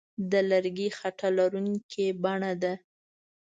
د لرګي خټه لرونکې بڼه ده.